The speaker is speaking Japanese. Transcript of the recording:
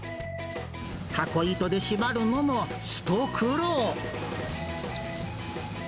たこ糸で縛るのも一苦労。